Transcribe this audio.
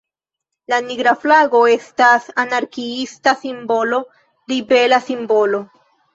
La Nigra Flago estas anarkiista simbolo, ribela simbolo.